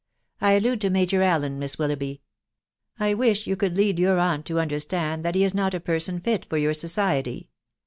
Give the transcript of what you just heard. I allude to Major Allen, Miss Willoughby J I wish you could lead your aunt to under stand that he is not a person fit for your society.